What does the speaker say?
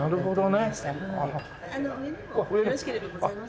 上にもよろしければございますので。